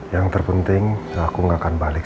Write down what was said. yang terpenting aku gak akan balik